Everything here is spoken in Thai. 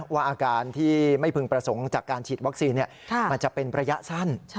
ว่าอาการที่ไม่พึงประสงค์จากการฉีดวัคซีนมันจะเป็นระยะสั้น